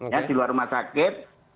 ya di luar rumah sakit